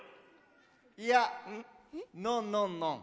いやノンノンノン。